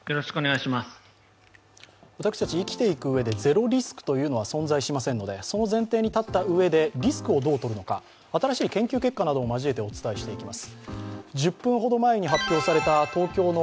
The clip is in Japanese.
私たち生きていくうえでゼロリスクというのは存在しませんのでその前提に立った上でリスクをどう取るのか新しい研究結果なども交えてお伝えしていきます。